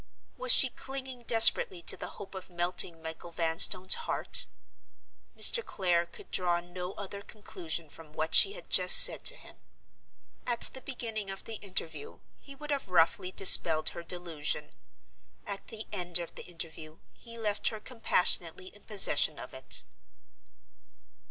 Was she clinging desperately to the hope of melting Michael Vanstone's heart? Mr. Clare could draw no other conclusion from what she had just said to him. At the beginning of the interview he would have roughly dispelled her delusion. At the end of the interview he left her compassionately in possession of it.